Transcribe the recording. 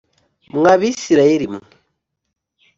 mwa Bisirayeli mwe